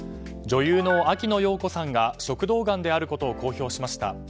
女優の秋野暢子さんが食道がんであることを公表しました。